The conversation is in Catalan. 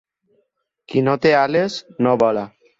Qui no té ales, no vola.